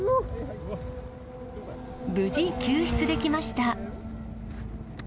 無事救出できました。